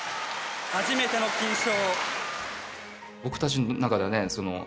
初めての金賞。